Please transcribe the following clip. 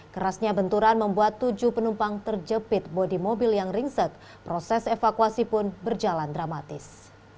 kerasnya benturan membuat tujuh penumpang terjepit bodi mobil yang ringsek proses evakuasi pun berjalan dramatis